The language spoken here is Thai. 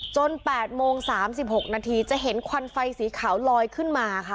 ๘โมง๓๖นาทีจะเห็นควันไฟสีขาวลอยขึ้นมาค่ะ